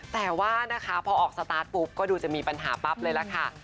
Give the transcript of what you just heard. แต่ว่านะคะพอออกสตาร์ทปุ๊บก็ดูจะมีปัญหาปั๊บเลยล่ะค่ะ